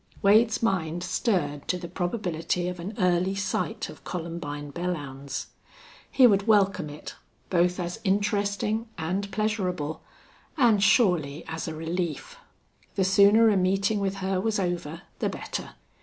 Wade's mind stirred to the probability of an early sight of Columbine Belllounds. He would welcome it, both as interesting and pleasurable, and surely as a relief. The sooner a meeting with her was over the better.